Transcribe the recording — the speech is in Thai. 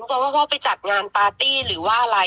เพราะว่าพ่อไปจัดงานปาร์ตี้หรือว่าอะไร